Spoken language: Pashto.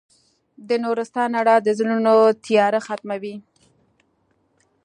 د نورستان رڼا د زړونو تیاره ختموي.